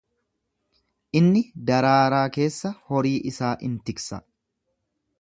Inni daraaraa keessa horii isaa in tiksa.